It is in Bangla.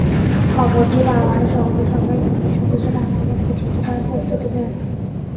খবরটি পাওয়ার সঙ্গে সঙ্গেই পুলিশ সদস্যরা আক্রমণ প্রতিহত করার প্রস্তুতি নেন।